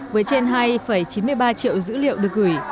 với trên hai chín mươi ba triệu dữ liệu được gửi